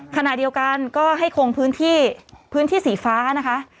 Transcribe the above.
ขณะเดียวกันก็ให้คงพื้นที่พื้นที่สีฟ้านะคะ